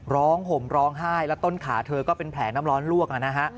ห่มร้องไห้แล้วต้นขาเธอก็เป็นแผลน้ำร้อนลวกนะฮะ